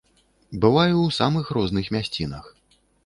Бываю ў самых розных мясцінах.